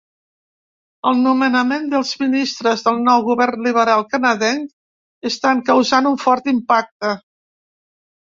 El nomenament dels ministres del nou govern liberal canadenc estan causant un fort impacte.